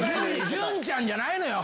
潤ちゃんじゃないのよ。